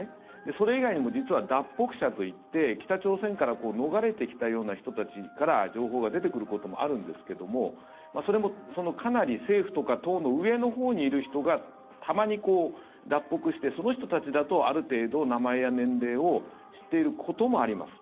それ以外にも実は脱北者といって北朝鮮から逃れてきたような人たちから情報が出てくることもあるんですけどもそれもかなり政府とか党の上のほうにいる人がたまに脱北してその人たちだと、ある程度名前や年齢を知っていることもあります。